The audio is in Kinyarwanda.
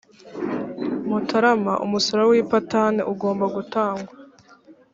mutarama umusoro w ipatanti ugomba gutangwa